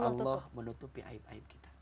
allah menutupi aib aib kita